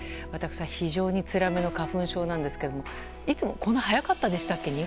私は、非常につらめの花粉症なんですけどもいつもこんな早かったでしたっけ。